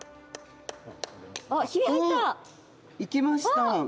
あ、いきました。